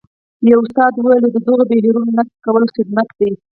یوه استاد وویل د دغو بهیرونو نقد کول خدمت دی.